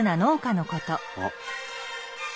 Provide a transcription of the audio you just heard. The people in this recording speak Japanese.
あっ。